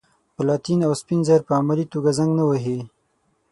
پلاتین او سپین زر په عملي توګه زنګ نه وهي.